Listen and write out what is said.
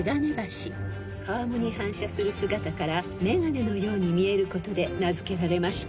［川面に反射する姿から眼鏡のように見えることで名付けられました］